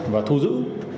và thu giữ